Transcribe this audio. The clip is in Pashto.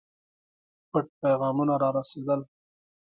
پټ پیغامونه را رسېدل.